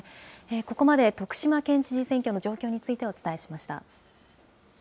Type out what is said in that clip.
ここまで、徳島県知事選挙の状況についてお伝えしました。